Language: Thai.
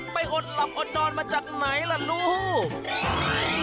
อดหลับอดนอนมาจากไหนล่ะลูก